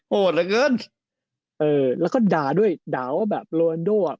เหลือเกินเออแล้วก็ด่าด้วยด่าว่าแบบโรนโดอ่ะ